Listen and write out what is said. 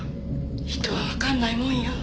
人はわからないものよ。